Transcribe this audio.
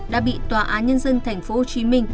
đã bị tòa án nhân dân tp hcm